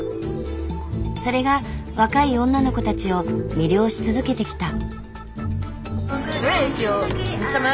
それが若い女の子たちを魅了し続けてきた。